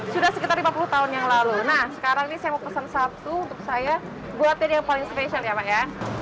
sudah sekitar lima puluh tahun yang lalu nah sekarang ini saya mau pesan satu untuk saya buat dari yang paling spesial ya pak ya